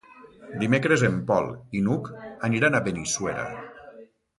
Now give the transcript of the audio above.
Dimecres en Pol i n'Hug aniran a Benissuera.